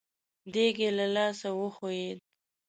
دېګ يې له لاسه وښوېد.